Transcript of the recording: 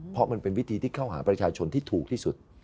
เพราะมันเป็นวิธีที่เข้าหาประชาชนที่ถูกที่สุด